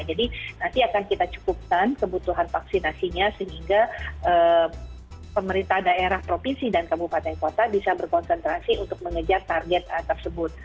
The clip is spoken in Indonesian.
jadi nanti akan kita cukupkan kebutuhan vaksinasinya sehingga pemerintah daerah provinsi dan kabupaten kota bisa berkonsentrasi untuk mengejar target tersebut